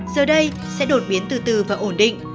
giờ đây sẽ đột biến từ từ và ổn định